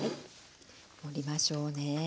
盛りましょうね。